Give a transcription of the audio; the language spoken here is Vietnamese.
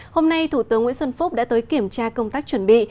hôm nay thủ tướng nguyễn xuân phúc đã tới kiểm tra công tác chuẩn bị